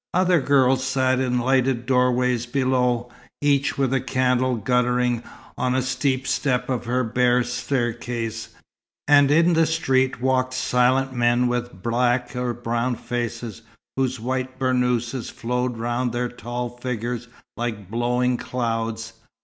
Other girls sat in lighted doorways below, each with a candle guttering on a steep step of her bare staircase; and in the street walked silent men with black or brown faces, whose white burnouses flowed round their tall figures like blowing clouds.